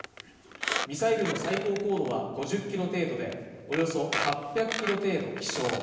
ミサイルの最高高度は５０ｋｍ程度でおよそ８００ｋｍ程度飛しょう。